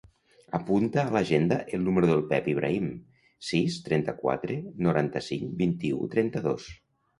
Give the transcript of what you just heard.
Apunta a l'agenda el número del Pep Ibrahim: sis, trenta-quatre, noranta-cinc, vint-i-u, trenta-dos.